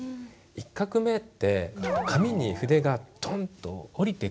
１画目って紙に筆がトンと下りてくる感じ。